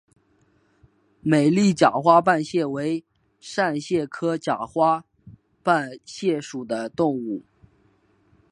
美丽假花瓣蟹为扇蟹科假花瓣蟹属的动物。